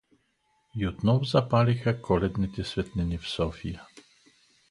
И отново запалиха коледните светлини в София.